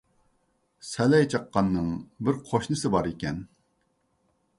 سەلەي چاققاننىڭ بىر قوشنىسى بار ئىكەن.